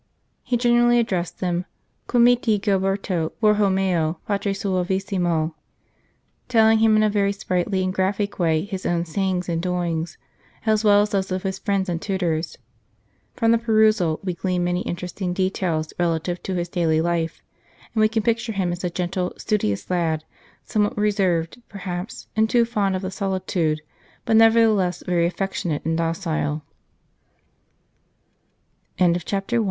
He generally^ addressed them " Comiti Giberto Bourhomeo Patri Suavissimo," telling him in a very sprightly and graphic way his own sayings and doings, as well as those of his friends and tutors. From the perusal we glean many interesting details relative to his daily life, and we can picture him as a gentle, studious lad, somewhat reserved, perhaps, and too fond of solitude, but ne